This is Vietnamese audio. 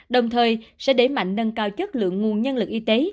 đồng thời sẽ đẩy mạnh nâng cao chất lượng nguồn nhân lực y tế